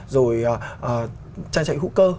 rồi trai chạy hữu cơ